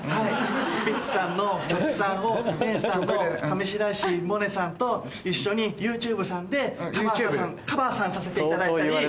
スピッツさんの曲さんをお姉さんの上白石萌音さんと一緒にＹｏｕＴｕｂｅさんでカバーさんさせていただいたり。